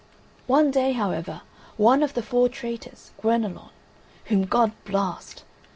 One day, however, one of the four traitors, Guenelon, whom God blast!